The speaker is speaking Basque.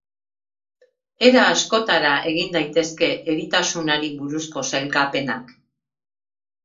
Era askotara egin daitezke eritasunari buruzko sailkapenak.